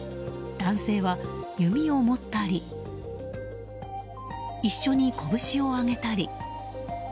男性は弓を持ったり一緒にこぶしを上げたり。